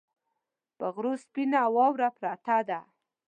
پر غرو سپینه واوره پرته وه